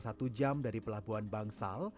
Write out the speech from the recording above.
satu jam dari pelabuhan bangsal